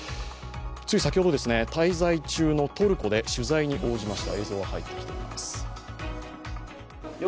つい先ほど、滞在中のトルコで取材に応じました。